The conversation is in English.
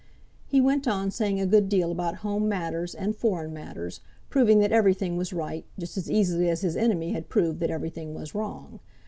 He went on saying a good deal about home matters, and foreign matters, proving that everything was right, just as easily as his enemy had proved that everything was wrong.